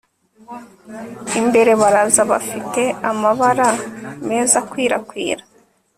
Imbere baraza bafite amabara meza akwirakwira